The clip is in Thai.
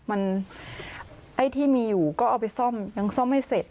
มันไอ้ที่มีอยู่ก็เอาไปซ่อมยังซ่อมให้เสร็จ